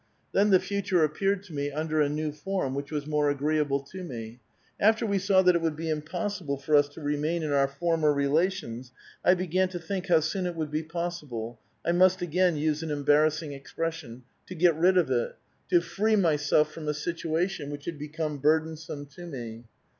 Then the future appeared to me under a new form, which was more agreeable to me. After we saw that it would be impossible for us to remain in our former relations, I began to think how soon it would be possible — I must again use an embarrassing expression — to get rid of it — to free myself from a situation which had become burdensome to me.